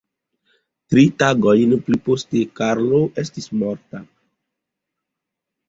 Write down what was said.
Tri tagojn pli poste Karlo estis morta.